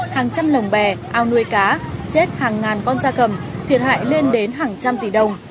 hàng trăm lồng bè ao nuôi cá chết hàng ngàn con da cầm thiệt hại lên đến hàng trăm tỷ đồng